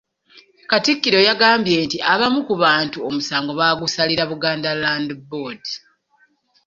Katikkiro yagambye nti abamu ku bantu omusango bagusalira Buganda Land Board.